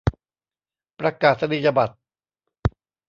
ประกาศนียบัตร